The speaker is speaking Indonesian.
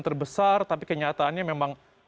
terbesar tapi kenyataannya memang